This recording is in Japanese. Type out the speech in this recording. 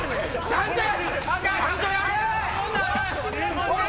ちゃんとやれ！笑